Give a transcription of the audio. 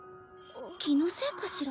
気のせいかしら。